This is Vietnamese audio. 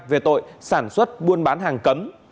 về tội sản xuất buôn bán hàng cấm